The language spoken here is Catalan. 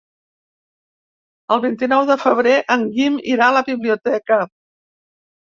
El vint-i-nou de febrer en Guim irà a la biblioteca.